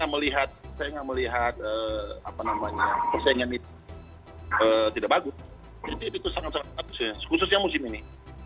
jadi itu sangat sangat bagus ya khususnya musim ini